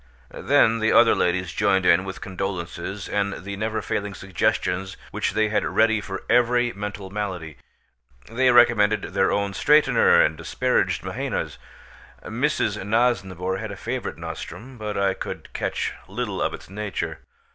Then the other ladies joined in with condolences and the never failing suggestions which they had ready for every mental malady. They recommended their own straightener and disparaged Mahaina's. Mrs. Nosnibor had a favourite nostrum, but I could catch little of its nature.